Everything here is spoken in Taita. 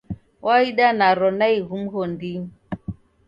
Waida naro naighu mghondinyi.